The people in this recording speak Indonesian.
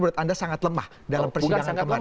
menurut anda sangat lemah dalam persidangan kemarin